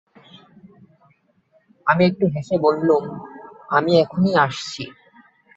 আমি একটু হেসে বললুম, আমি এখনই আসছি।